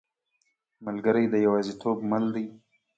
ملګری د یوازیتوب مل دی.